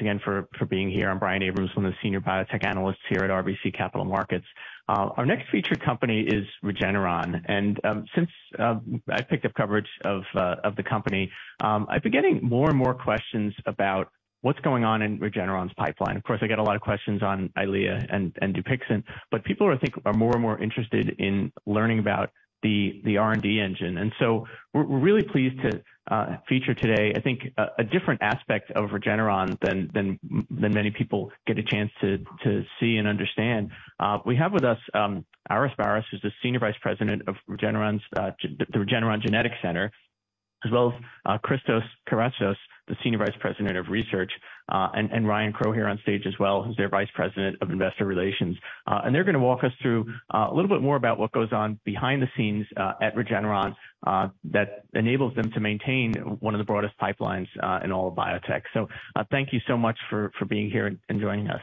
Thanks again for being here. I'm Brian Abrahams, one of the senior biotech analysts here at RBC Capital Markets. Our next featured company is Regeneron, since I picked up coverage of the company, I've been getting more and more questions about what's going on in Regeneron's pipeline. Of course, I get a lot of questions on EYLEA and Dupixent, people are, I think, more and more interested in learning about the R&D engine. We're really pleased to feature today, I think a different aspect of Regeneron than many people get a chance to see and understand. We have with us Aris Baras, who's the Senior Vice President of Regeneron's, the Regeneron Genetics Center, as well as Christos Kyratsous, the Senior Vice President of Research, and Ryan Crowe here on stage as well, who's their Vice President of Investor Relations. They're going to walk us through a little bit more about what goes on behind the scenes at Regeneron that enables them to maintain one of the broadest pipelines in all of biotech. Thank you so much for being here and joining us.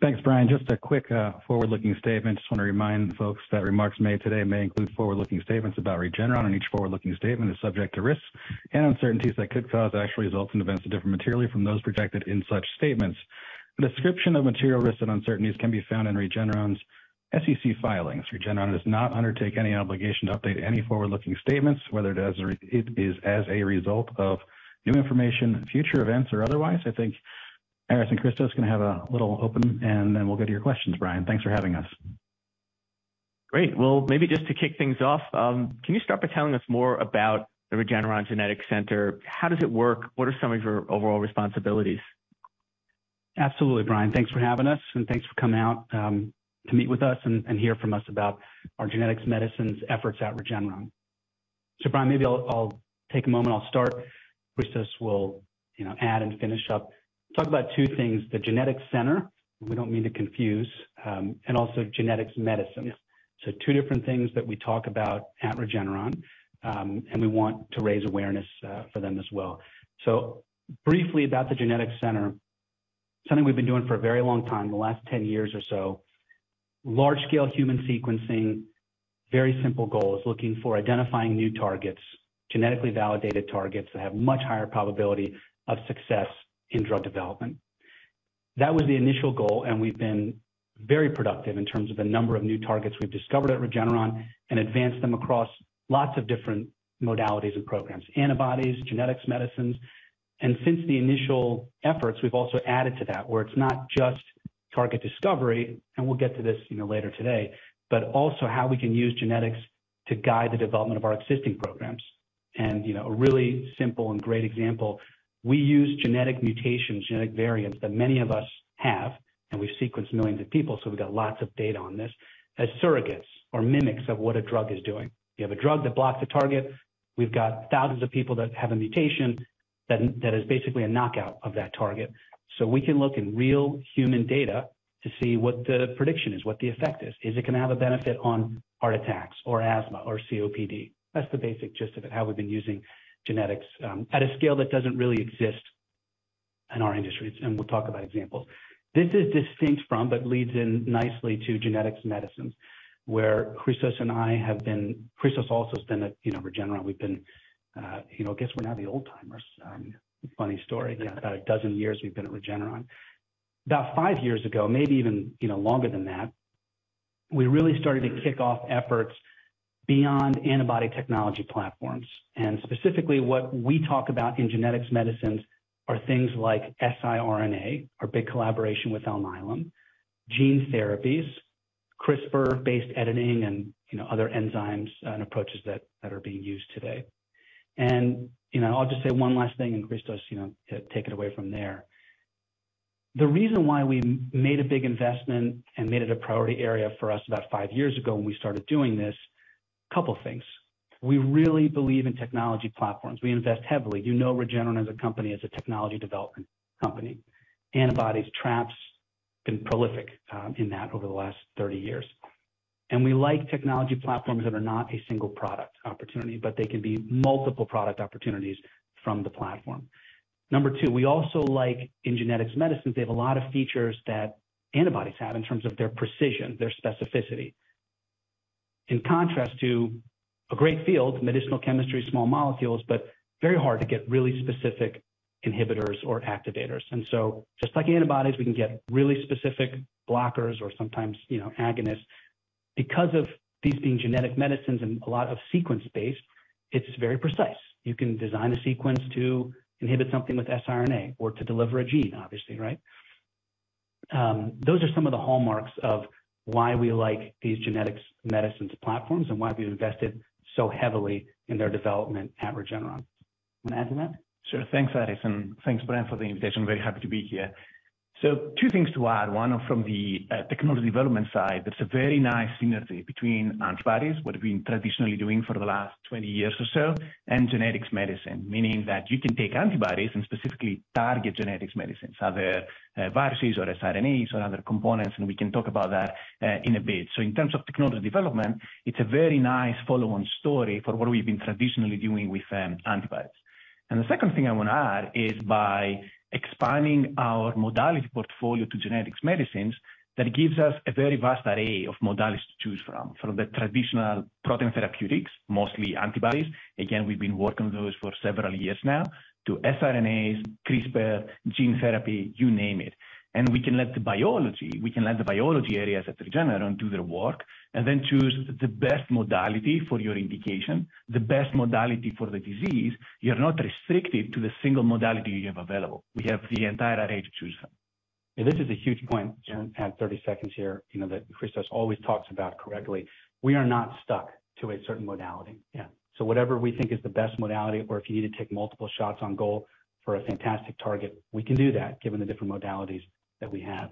Thanks, Brian. Just a quick, forward-looking statement. Just wanna remind folks that remarks made today may include forward-looking statements about Regeneron, and each forward-looking statement is subject to risks and uncertainties that could cause actual results and events to differ materially from those projected in such statements. A description of material risks and uncertainties can be found in Regeneron's SEC filings. Regeneron does not undertake any obligation to update any forward-looking statements, whether it is as a result of new information and future events or otherwise. I think Aris and Christos can have a little open, and then we'll go to your questions, Brian. Thanks for having us. Great. Well, maybe just to kick things off, can you start by telling us more about the Regeneron Genetics Center? How does it work? What are some of your overall responsibilities? Absolutely, Brian. Thanks for having us. Thanks for coming out, to meet with us and hear from us about our genetic medicines efforts at Regeneron. Brian, maybe I'll take a moment, I'll start. Christos will, you know, add and finish up. Talk about two things, the Genetics Center, we don't mean to confuse, and also genetic medicines. Two different things that we talk about at Regeneron, and we want to raise awareness for them as well. Briefly about the Genetics Center, something we've been doing for a very long time, the last 10 years or so, large scale human sequencing, very simple goals, looking for identifying new targets, genetically validated targets that have much higher probability of success in drug development. That was the initial goal, and we've been very productive in terms of the number of new targets we've discovered at Regeneron and advanced them across lots of different modalities and programs, antibodies, genetic medicines. Since the initial efforts, we've also added to that, where it's not just target discovery, and we'll get to this, you know, later today, but also how we can use genetics to guide the development of our existing programs. You know, a really simple and great example, we use genetic mutations, genetic variants that many of us have, and we've sequenced millions of people, so we've got lots of data on this, as surrogates or mimics of what a drug is doing. You have a drug that blocks a target. We've got thousands of people that have a mutation that is basically a knockout of that target. We can look in real human data to see what the prediction is, what the effect is. Is it gonna have a benefit on heart attacks or asthma or COPD? That's the basic gist of it, how we've been using genetics, at a scale that doesn't really exist in our industry. We'll talk about examples. This is distinct from, but leads in nicely to genetics medicines, where Christos also has been at, you know, Regeneron. We've been, you know, I guess we're now the old-timers. A funny story. About 12 years we've been at Regeneron. About five years ago, maybe even, you know, longer than that, we really started to kick off efforts beyond antibody technology platforms. Specifically what we talk about in genetic medicines are things like siRNA, our big collaboration with Alnylam, gene therapies, CRISPR-based editing, and, you know, other enzymes and approaches that are being used today. You know, I'll just say one last thing and Christos, you know, take it away from there. The reason why we made a big investment and made it a priority area for us about five years ago when we started doing this. Couple things. We really believe in technology platforms. We invest heavily. You know Regeneron as a company, as a technology development company. Antibodies, traps, been prolific in that over the last 30 years. We like technology platforms that are not a single product opportunity, but they can be multiple product opportunities from the platform. Number two, we also like in genetics medicines, they have a lot of features that antibodies have in terms of their precision, their specificity. In contrast to a great field, medicinal chemistry, small molecules, very hard to get really specific inhibitors or activators. Just like antibodies, we can get really specific blockers or sometimes, you know, agonists. Because of these being genetic medicines and a lot of sequence-based, it's very precise. You can design a sequence to inhibit something with siRNA or to deliver a gene, obviously, right? Those are some of the hallmarks of why we like these genetics medicines platforms and why we've invested so heavily in their development at Regeneron. You wanna add to that? Sure. Thanks, Aris, and thanks, Brian, for the invitation. Very happy to be here. Two things to add. One from the technology development side, it's a very nice synergy between antibodies, what we've been traditionally doing for the last 20 years or so, and genetics medicine, meaning that you can take antibodies and specifically target genetics medicines, other viruses or siRNAs or other components, and we can talk about that in a bit. In terms of technology development, it's a very nice follow-on story for what we've been traditionally doing with antibodies. The second thing I wanna add is by expanding our modality portfolio to genetics medicines, that gives us a very vast array of modalities to choose from. From the traditional protein therapeutics, mostly antibodies, again, we've been working on those for several years now, to siRNAs, CRISPR, gene therapy, you name it. We can let the biology areas at Regeneron do their work. Then choose the best modality for your indication, the best modality for the disease. You're not restricted to the single modality you have available. We have the entire array to choose from. This is a huge point, John. I have 30 seconds here. You know that Christos always talks about correctly, we are not stuck to a certain modality. Yeah. Whatever we think is the best modality, or if you need to take multiple shots on goal for a fantastic target, we can do that given the different modalities that we have.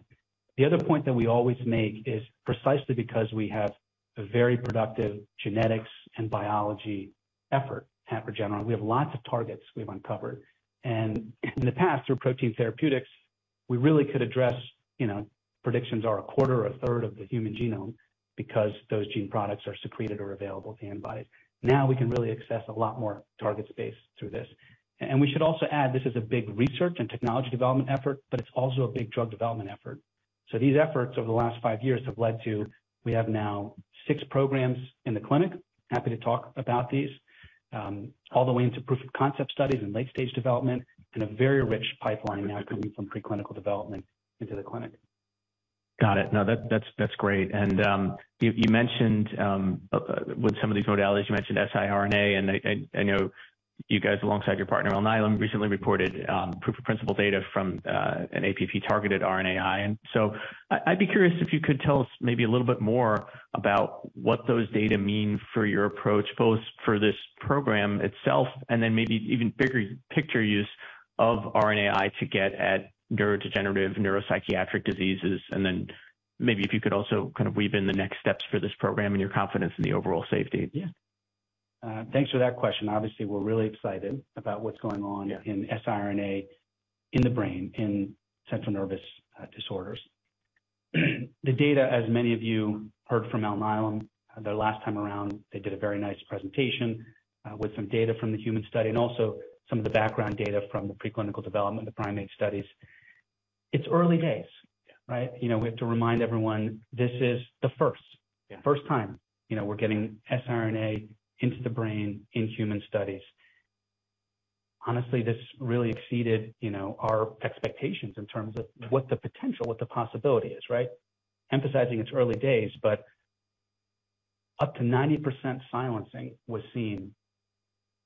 The other point that we always make is precisely because we have a very productive genetics and biology effort at Regeneron, we have lots of targets we've uncovered. In the past, through protein therapeutics, we really could address, you know, predictions are a quarter or a third of the human genome because those gene products are secreted or available as antibodies. Now we can really access a lot more target space through this. We should also add, this is a big research and technology development effort, but it's also a big drug development effort. These efforts over the last five years have led to, we have now six programs in the clinic. Happy to talk about these, all the way into proof of concept studies and late-stage development and a very rich pipeline now coming from preclinical development into the clinic. Got it. No, that's great. You mentioned, with some of these modalities, you mentioned siRNA, and I know you guys alongside your partner, Alnylam, recently reported proof of principle data from an APP-targeted RNAi. I'd be curious if you could tell us maybe a little bit more about what those data mean for your approach, both for this program itself and then maybe even bigger picture use of RNAi to get at neurodegenerative neuropsychiatric diseases. Maybe if you could also kind of weave in the next steps for this program and your confidence in the overall safety? Yeah. Thanks for that question. Obviously, we're really excited about what's going on. Yeah. In siRNA in the brain, in central nervous disorders. The data, as many of you heard from Alnylam the last time around, they did a very nice presentation with some data from the human study and also some of the background data from the preclinical development, the primate studies. It's early days, right? You know, we have to remind everyone this is the first. Yeah. First time, you know, we're getting siRNA into the brain in human studies. Honestly, this really exceeded, you know, our expectations in terms of what the potential, what the possibility is, right? Emphasizing it's early days, but up to 90% silencing was seen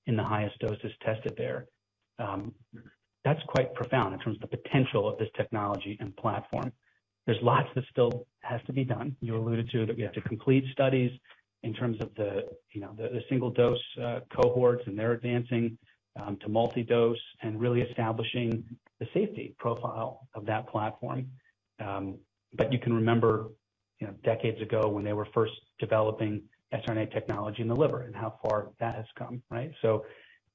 in the highest doses tested there. That's quite profound in terms of the potential of this technology and platform. There's lots that still has to be done. You alluded to that we have to complete studies in terms of the, you know, the single dose cohorts, and they're advancing to multi-dose and really establishing the safety profile of that platform. You can remember, you know, decades ago when they were first developing siRNA technology in the liver and how far that has come, right?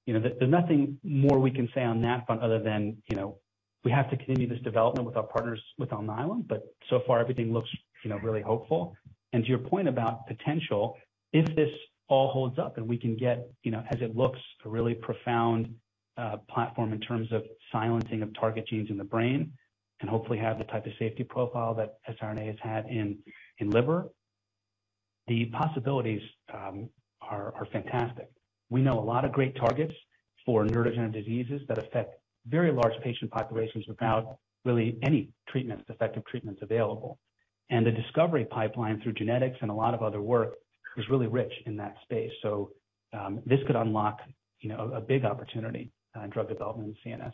You know, there's nothing more we can say on that front other than, you know, we have to continue this development with our partners, with Alnylam, but so far everything looks, you know, really hopeful. To your point about potential, if this all holds up and we can get, you know, as it looks, a really profound platform in terms of silencing of target genes in the brain and hopefully have the type of safety profile that siRNA has had in liver, the possibilities are fantastic. We know a lot of great targets for neurodegenerative diseases that affect very large patient populations without really any treatments, effective treatments available. The discovery pipeline through genetics and a lot of other work is really rich in that space. This could unlock, you know, a big opportunity in drug development in CNS.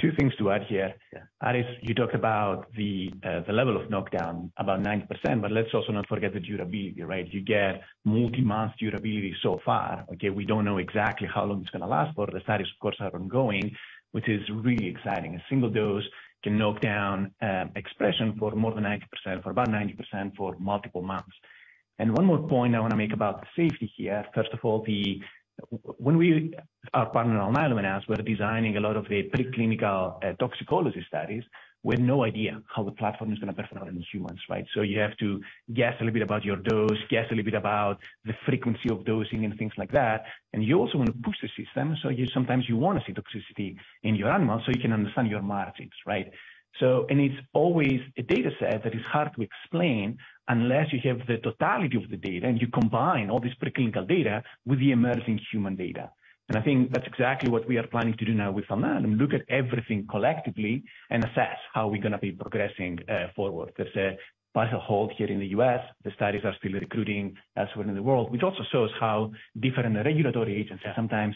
Two things to add here. Yeah. Aris, you talk about the level of knockdown about 90%, but let's also not forget the durability, right? You get multi-month durability so far. Okay, we don't know exactly how long it's gonna last for. The studies of course, are ongoing, which is really exciting. A single dose can knock down expression for more than 90%, for about 90% for multiple months. One more point I wanna make about safety here. First of all, when we, our partner, Alnylam announced we're designing a lot of the preclinical toxicology studies, we had no idea how the platform is gonna perform in humans, right? So you have to guess a little bit about your dose, guess a little bit about the frequency of dosing and things like that. You also wanna push the system, so you sometimes you wanna see toxicity in your animals so you can understand your margins, right? It's always a data set that is hard to explain unless you have the totality of the data and you combine all this preclinical data with the emerging human data. I think that's exactly what we are planning to do now with Alnylam, look at everything collectively and assess how we're gonna be progressing forward. There's a partial hold here in the U.S., the studies are still recruiting as well in the world, which also shows how different the regulatory agencies sometimes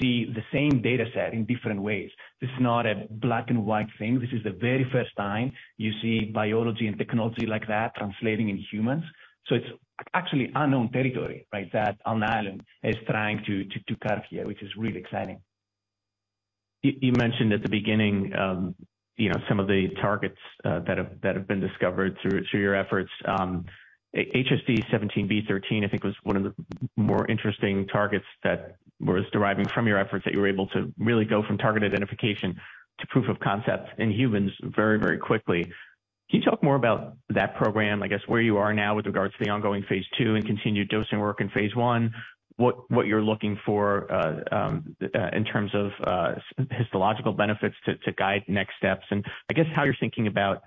see the same data set in different ways. This is not a black and white thing. This is the very first time you see biology and technology like that translating in humans. It's actually unknown territory, right? That Alnylam is trying to carve here, which is really exciting. You mentioned at the beginning, you know, some of the targets that have been discovered through your efforts. HSD17B13, I think was one of the more interesting targets that was deriving from your efforts that you were able to really go from target identification to proof of concept in humans very, very quickly. Can you talk more about that program, I guess, where you are now with regards to the ongoing phase II and continued dosing work in phase I, what you're looking for, in terms of histological benefits to guide next steps? I guess how you're thinking about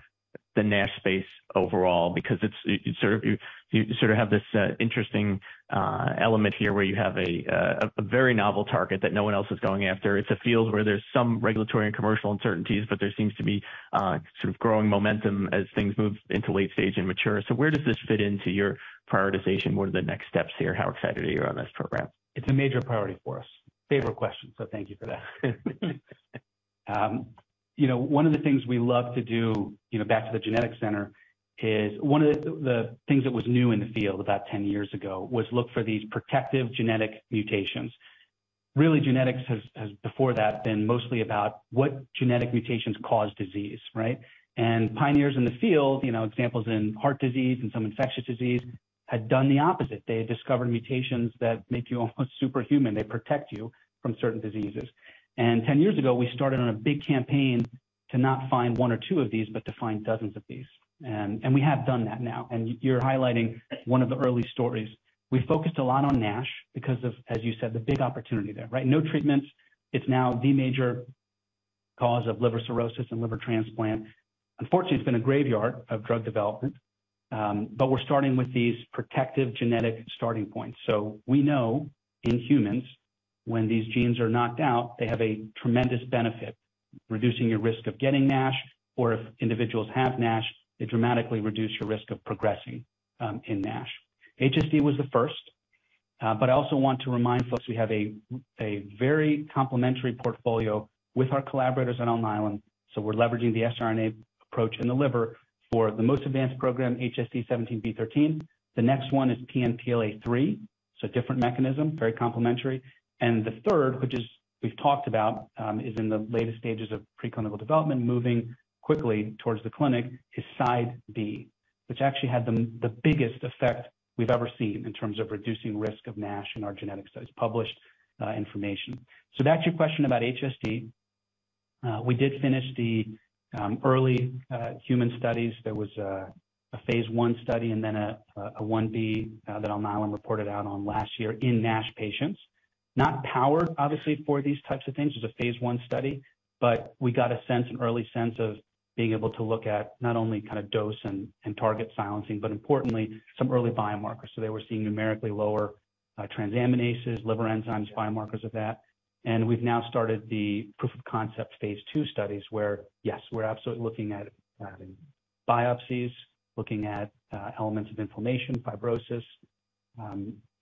the NASH space overall, because it's. You sort of have this interesting element here where you have a very novel target that no one else is going after. It's a field where there's some regulatory and commercial uncertainties, but there seems to be, sort of growing momentum as things move into late stage and mature. Where does this fit into your prioritization? What are the next steps here? How excited are you on this program? It's a major priority for us. Favorite question, so thank you for that. You know, one of the things we love to do, you know, back to the Genetic Center, is one of the things that was new in the field about 10 years ago was look for these protective genetic mutations. Really, genetics has before that been mostly about what genetic mutations cause disease, right? Pioneers in the field, you know, examples in heart disease and some infectious disease had done the opposite. They had discovered mutations that make you almost superhuman. They protect you from certain diseases. 10 years ago, we started on a big campaign to not find one or two of these, but to find dozens of these. We have done that now, and you're highlighting one of the early stories. We focused a lot on NASH because of, as you said, the big opportunity there, right? No treatments. It's now the major cause of liver cirrhosis and liver transplant. Unfortunately, it's been a graveyard of drug development, but we're starting with these protective genetic starting points. We know in humans, when these genes are knocked out, they have a tremendous benefit, reducing your risk of getting NASH, or if individuals have NASH, they dramatically reduce your risk of progressing in NASH. HSD was the first, but I also want to remind folks, we have a very complementary portfolio with our collaborators at Alnylam. We're leveraging the siRNA approach in the liver for the most advanced program, HSD17B13. The next one is PNPLA3. It's a different mechanism, very complementary. The third, which is we've talked about, is in the latest stages of preclinical development, moving quickly towards the clinic, is CIDEB, which actually had the biggest effect we've ever seen in terms of reducing risk of NASH in our genetic studies, published information. Back to your question about HSC. We did finish the early human studies. There was a phase I study and then a 1B that Alnylam reported out on last year in NASH patients. Not powered, obviously, for these types of things. It's a phase I study, but we got a sense, an early sense of being able to look at not only kind of dose and target silencing, but importantly, some early biomarkers. They were seeing numerically lower transaminases, liver enzymes, biomarkers of that. We've now started the proof of concept phase II studies, where, yes, we're absolutely looking at biopsies, looking at elements of inflammation, fibrosis,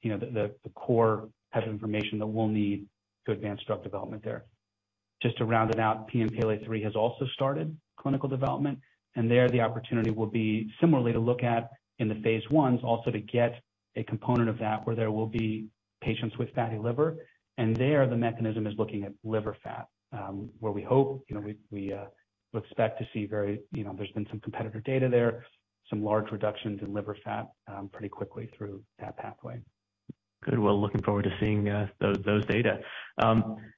you know, the core type of information that we'll need to advance drug development there. Just to round it out, PNPLA3 has also started clinical development, and there the opportunity will be similarly to look at in the phase I, also to get a component of that where there will be patients with fatty liver. There, the mechanism is looking at liver fat, where we hope, you know, we would expect to see very, you know, there's been some competitor data there, some large reductions in liver fat, pretty quickly through that pathway. Good. Well, looking forward to seeing those data.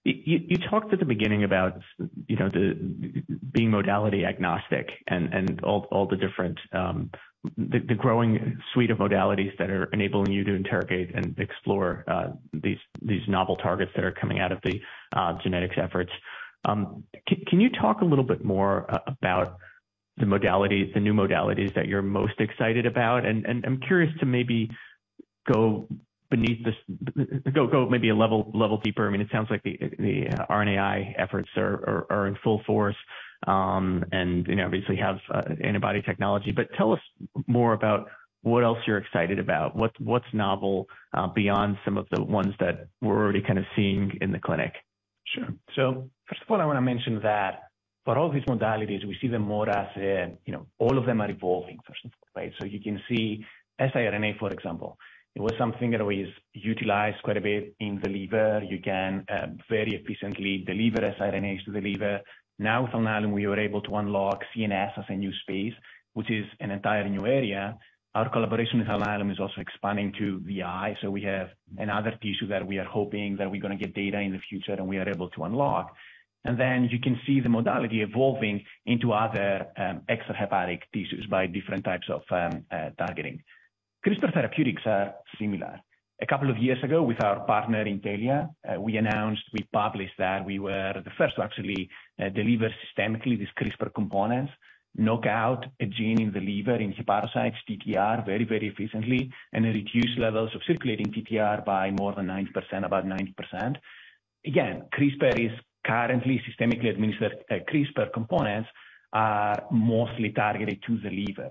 You talked at the beginning about, you know, being modality agnostic and all the different, the growing suite of modalities that are enabling you to interrogate and explore these novel targets that are coming out of the genetics efforts. Can you talk a little bit more about the modalities, the new modalities that you're most excited about? I'm curious to maybe go maybe a level deeper. I mean, it sounds like the RNAi efforts are in full force, and, you know, obviously have antibody technology. Tell us more about what else you're excited about, what's novel beyond some of the ones that we're already kind of seeing in the clinic. Sure. First of all, I wanna mention that for all these modalities, we see them more as a, you know, all of them are evolving first, right? You can see siRNA, for example. It was something that we've utilized quite a bit in the liver. You can very efficiently deliver siRNAs to the liver. Now with Alnylam, we were able to unlock CNS as a new space, which is an entire new area. Our collaboration with Alnylam is also expanding to the eye, so we have another tissue that we are hoping that we're gonna get data in the future and we are able to unlock. You can see the modality evolving into other extrahepatic tissues by different types of targeting. CRISPR therapeutics are similar. A couple of years ago, with our partner Intellia, we announced, we published that we were the first to actually deliver systemically these CRISPR components, knock out a gene in the liver, in hepatocytes TTR very, very efficiently, and reduce levels of circulating TTR by more than 90%, about 90%. CRISPR is currently systemically administered. CRISPR components are mostly targeted to the liver.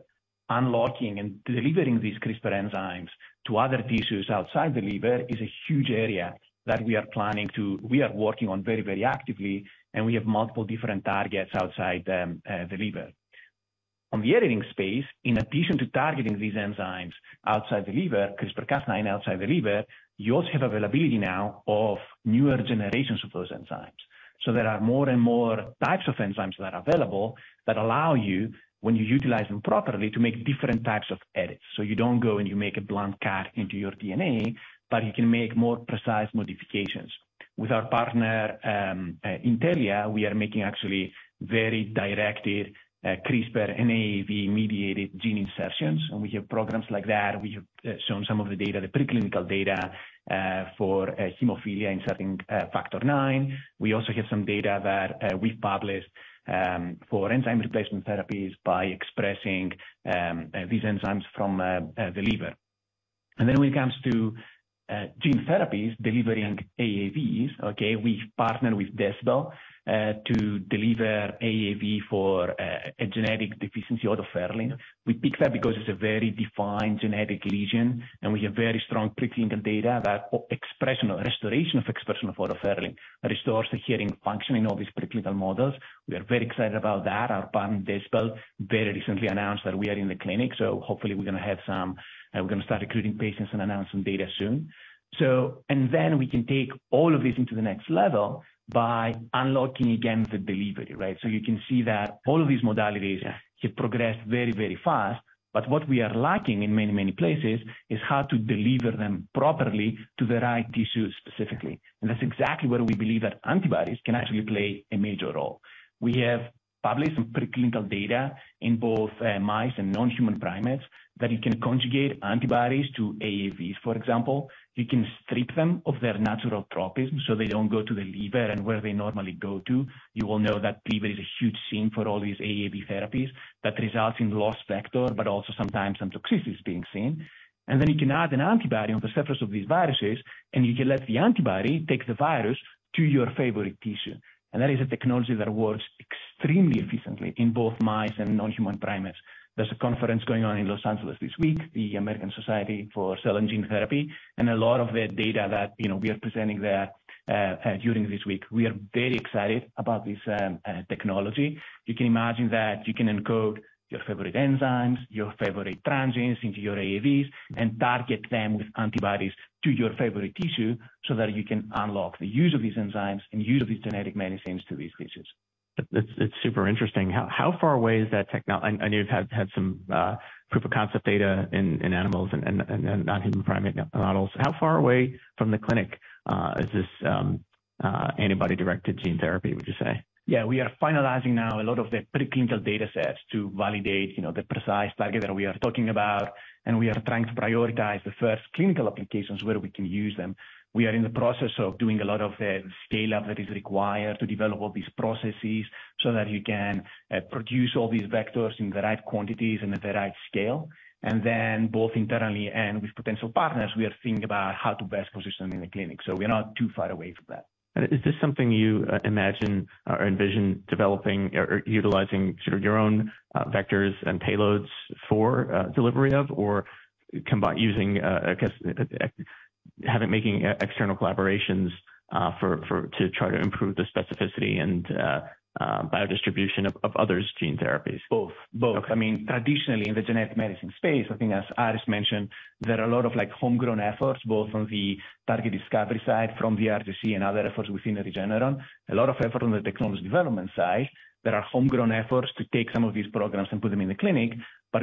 Unlocking and delivering these CRISPR enzymes to other tissues outside the liver is a huge area that we are working on very, very actively, and we have multiple different targets outside the liver. On the editing space, in addition to targeting these enzymes outside the liver, CRISPR-Cas9 outside the liver, you also have availability now of newer generations of those enzymes. There are more and more types of enzymes that are available that allow you, when you utilize them properly, to make different types of edits. You don't go and you make a blunt cut into your DNA, but you can make more precise modifications. With our partner, Intellia, we are making actually very directed CRISPR-AAV-mediated gene insertions, and we have programs like that. We have shown some of the data, the preclinical data, for hemophilia inserting Factor IX. We also have some data that we've published for enzyme replacement therapies by expressing these enzymes from the liver. When it comes to gene therapies delivering AAVs, okay, we've partnered with Decibel to deliver AAV for a genetic deficiency, otoferlin. We picked that because it's a very defined genetic lesion, and we have very strong preclinical data that expression or restoration of expression of otoferlin restores the hearing function in all these preclinical models. We are very excited about that. Our partner, Decibel, very recently announced that we are in the clinic, so hopefully we're gonna start recruiting patients and announce some data soon. We can take all of this into the next level by unlocking again the delivery, right? You can see that all of these modalities have progressed very, very fast. What we are lacking in many, many places is how to deliver them properly to the right tissues specifically. That's exactly where we believe that antibodies can actually play a major role. We have published some preclinical data in both mice and non-human primates that you can conjugate antibodies to AAVs, for example. You can strip them of their natural tropism, so they don't go to the liver and where they normally go to. You all know that liver is a huge scene for all these AAV therapies that results in lost vector, but also sometimes some toxicities being seen. Then you can add an antibody on the surface of these viruses, and you can let the antibody take the virus to your favorite tissue. That is a technology that works extremely efficiently in both mice and non-human primates. There's a conference going on in Los Angeles this week, the American Society of Gene & Cell Therapy, and a lot of the data that, you know, we are presenting there during this week. We are very excited about this technology. You can imagine that you can encode your favorite enzymes, your favorite transgenes into your AAVs and target them with antibodies to your favorite tissue, so that you can unlock the use of these enzymes and use of these genetic medicines to these patients. It's super interesting. How far away is that? I know you've had some proof of concept data in animals and non-human primate models. How far away from the clinic is this antibody-directed gene therapy, would you say? Yeah, we are finalizing now a lot of the preclinical data sets to validate, you know, the precise target that we are talking about, and we are trying to prioritize the first clinical applications where we can use them. We are in the process of doing a lot of the scale-up that is required to develop all these processes so that you can produce all these vectors in the right quantities and at the right scale. Then both internally and with potential partners, we are thinking about how to best position in the clinic. We are not too far away from that. Is this something you imagine or envision developing or utilizing sort of your own vectors and payloads for delivery of or using, I guess, making external collaborations, for to try to improve the specificity and biodistribution of others' gene therapies? Both. Okay. I mean, traditionally in the genetic medicine space, I think as Aris mentioned, there are a lot of like homegrown efforts, both from the target discovery side, from the RGC and other efforts within Regeneron. A lot of effort on the technology development side that are homegrown efforts to take some of these programs and put them in the clinic.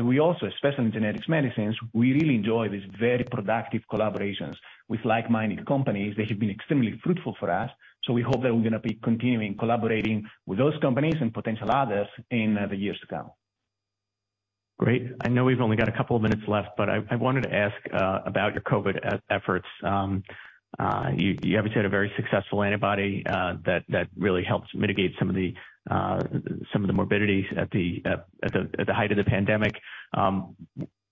We also, especially in genetics medicines, we really enjoy these very productive collaborations with like-minded companies. They have been extremely fruitful for us, so we hope that we're gonna be continuing collaborating with those companies and potential others in the years to come. Great. I know we've only got a couple of minutes left, but I wanted to ask about your COVID efforts. You obviously had a very successful antibody that really helped mitigate some of the morbidities at the height of the pandemic.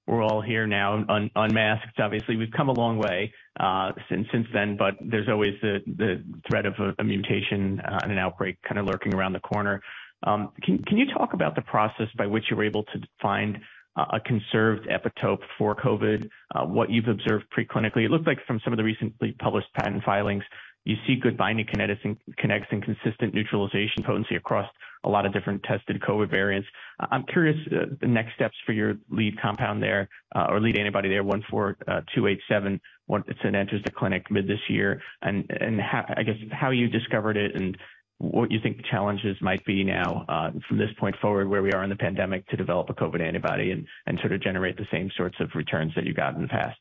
We're all here now unmasked. Obviously, we've come a long way since then, but there's always the threat of a mutation and an outbreak kinda lurking around the corner. Can you talk about the process by which you were able to find a conserved epitope for COVID, what you've observed pre-clinically? It looked like from some of the recently published patent filings, you see good binding kinetics and kinetics and consistent neutralization potency across a lot of different tested COVID variants. I'm curious, the next steps for your lead compound there, or lead antibody there, 14287, once it enters the clinic mid this year and how I guess how you discovered it and what you think the challenges might be now, from this point forward, where we are in the pandemic to develop a COVID antibody and sort of generate the same sorts of returns that you got in the past?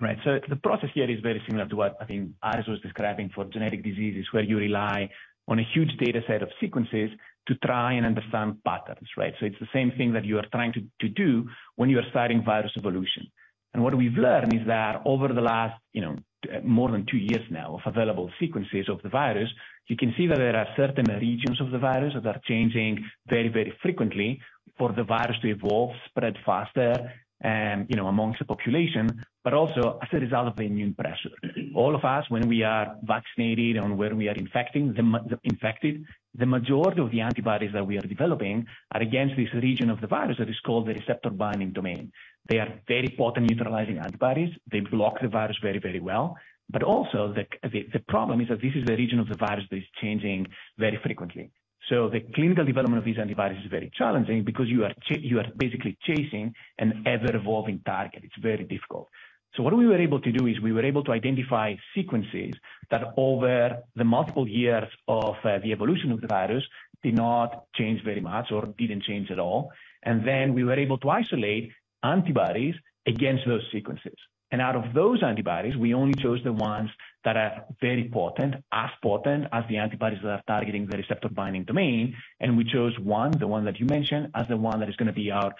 Right. The process here is very similar to what, I think, Aris was describing for genetic diseases, where you rely on a huge dataset of sequences to try and understand patterns, right? It's the same thing that you are trying to do when you are studying virus evolution. What we've learned is that over the last, you know, more than two years now of available sequences of the virus, you can see that there are certain regions of the virus that are changing very frequently for the virus to evolve, spread faster, you know, amongst the population, but also as a result of immune pressure. All of us, when we are vaccinated and when we are infected, the majority of the antibodies that we are developing are against this region of the virus that is called the receptor binding domain. They are very potent neutralizing antibodies. They block the virus very well. Also the problem is that this is the region of the virus that is changing very frequently. The clinical development of these antibodies is very challenging because you are basically chasing an ever-evolving target. It's very difficult. What we were able to do is we were able to identify sequences that over the multiple years of the evolution of the virus did not change very much or didn't change at all. Then we were able to isolate antibodies against those sequences. Out of those antibodies, we only chose the ones that are very potent, as potent as the antibodies that are targeting the receptor binding domain. We chose one, the one that you mentioned, as the one that is gonna be our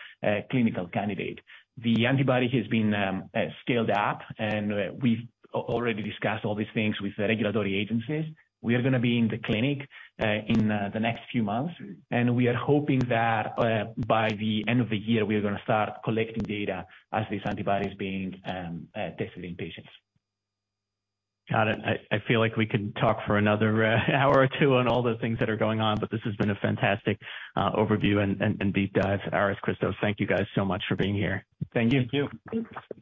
clinical candidate. The antibody has been scaled up. We've already discussed all these things with the regulatory agencies. We are gonna be in the clinic in the next few months, and we are hoping that by the end of the year, we are gonna start collecting data as these antibodies being tested in patients. Got it. I feel like we can talk for another hour or two on all the things that are going on. This has been a fantastic overview and deep dive. Aris, Christos, thank you guys so much for being here. Thank you. Thank you.